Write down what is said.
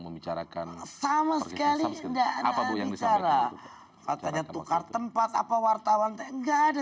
membicarakan sama sekali enggak apa yang bisa ada ada tukar tempat apa wartawan enggak ada